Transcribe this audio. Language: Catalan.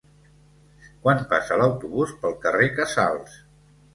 Quan passa l'autobús pel carrer Casals?